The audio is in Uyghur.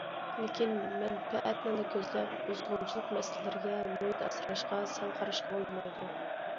لېكىن مەنپەئەتنىلا كۆزلەپ، بۇزغۇنچىلىق مەسىلىلىرىگە، مۇھىت ئاسراشقا سەل قاراشقا بولمايدۇ.